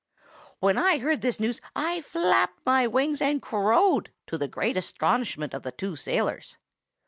"When I heard this news I flapped my wings and crowed, to the great astonishment of the two sailors.